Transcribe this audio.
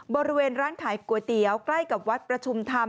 บริเวณร้านขายก๋วยเตี๋ยวใกล้กับวัดประชุมธรรม